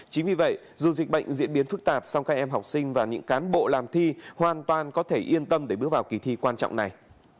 chính vì vậy dù dịch bệnh diễn biến phức tạp song các em học sinh và những cán bộ làm thi hoàn toàn có thể yên tâm để bước vào kỳ thi quan trọng này